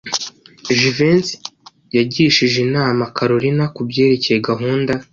Jivency yagishije inama Kalorina kubyerekeye gahunda.